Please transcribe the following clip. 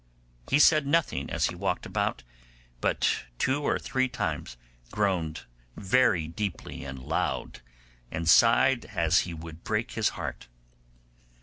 He said nothing as he walked about, but two or three times groaned very deeply and loud, and sighed as he would break his heart.